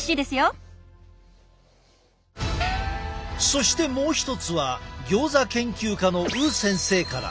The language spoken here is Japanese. そしてもう一つはギョーザ研究家の于先生から。